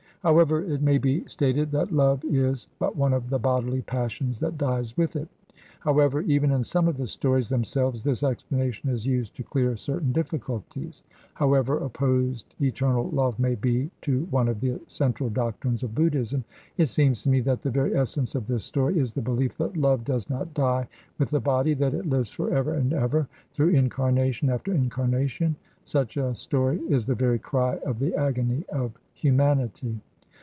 However it may be stated that love is but one of the bodily passions that dies with it; however, even in some of the stories themselves, this explanation is used to clear certain difficulties; however opposed eternal love may be to one of the central doctrines of Buddhism, it seems to me that the very essence of this story is the belief that love does not die with the body, that it lives for ever and ever, through incarnation after incarnation. Such a story is the very cry of the agony of humanity.